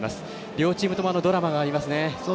両チームともにドラマがありますね。